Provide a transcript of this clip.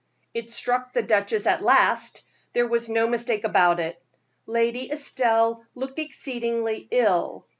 It struck the duchess at last there was no mistake about it Lady Estelle looked exceedingly ill.